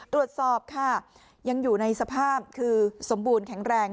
ตรวจสอบค่ะยังอยู่ในสภาพคือสมบูรณ์แข็งแรง